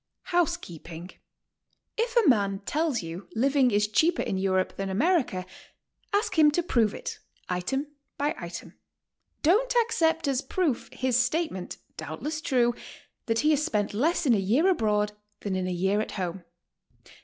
HOUSEKEEPING. If a man tells you living is cheaper in Europe than America, ask him to prove it item by item. Don't accept as proof his statement, doubtless true, that he has spent less in a year abroad than in a year at home.